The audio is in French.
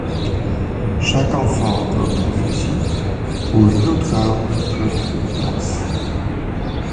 Chaque enfant porte un fusil ou une autre arme comme une lance.